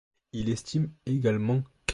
Il estime également qu'.